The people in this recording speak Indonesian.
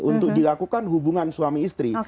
untuk dilakukan hubungan suami istri